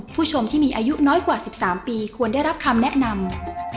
ผู้ชมที่มีอายุน้อยกว่า๑๓ปีควรได้รับคำแนะนำ